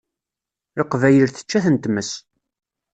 Leqbayel tečča-ten tmes.